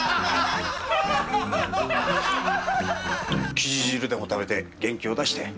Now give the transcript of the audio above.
キジ汁でも食べて元気を出して。